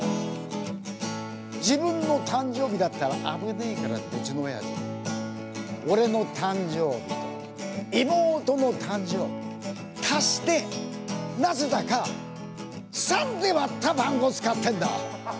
自分の誕生日だったら危ねえからってうちのおやじ俺の誕生日と妹の誕生日足してなぜだか３で割った番号使ってんだ。